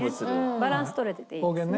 バランス取れてていいですね。